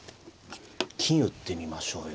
金打ってみましょうよ。